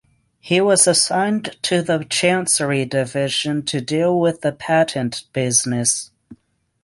He was assigned to the Chancery Division to deal with the patent business.